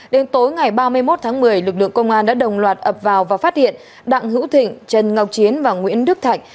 đến tối ngày ba mươi một tháng một mươi lực lượng công an đã đồng loạt ập vào và phát hiện đặng hữu thịnh trần ngọc chiến và nguyễn đức thạnh